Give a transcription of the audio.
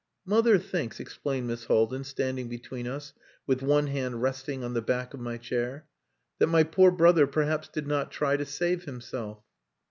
"Mother thinks," explained Miss Haldin, standing between us, with one hand resting on the back of my chair, "that my poor brother perhaps did not try to save himself."